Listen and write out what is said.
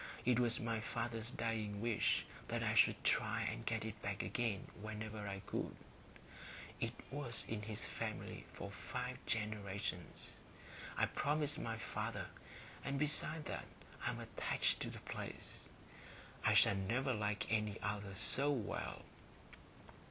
It was my father's dying wish that I should try and get it back again whenever I could; it was in his family for five generations. I promised my father; and besides that, I'm attached to the place. I shall never like any other so well.